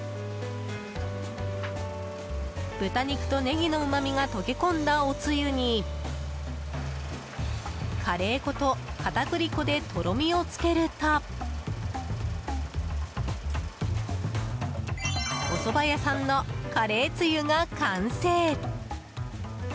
豚肉とネギのうまみが溶け込んだおつゆにカレー粉と片栗粉でとろみをつけるとおそば屋さんのカレーつゆが完成。